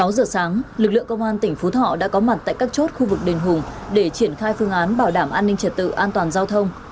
sáu giờ sáng lực lượng công an tỉnh phú thọ đã có mặt tại các chốt khu vực đền hùng để triển khai phương án bảo đảm an ninh trật tự an toàn giao thông